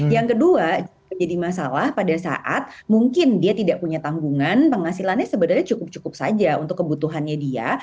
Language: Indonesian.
yang kedua jadi masalah pada saat mungkin dia tidak punya tanggungan penghasilannya sebenarnya cukup cukup saja untuk kebutuhannya dia